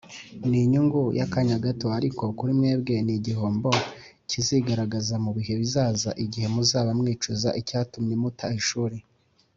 ni inyungu y’akanya gato ariko kuri mwebwe ni igihombo kizigaragaza mu bihe bizaza igihe muzaba mwicuza icyatumye muta ishuri.